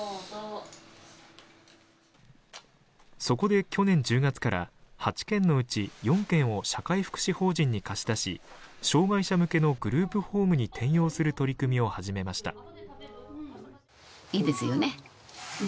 そこで去年１０月から８軒のうち４軒を社会福祉法人に貸し出し障害者向けのグループホームに転用する取り組みを始めました。